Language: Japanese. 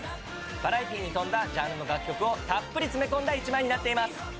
バラエティーに富んだジャンルの楽曲をたっぷり詰め込んだ一枚になっています。